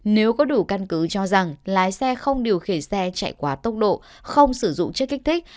nếu có đủ căn cứ cho rằng lái xe không điều khiển xe chạy quá tốc độ không sử dụng chất kích thích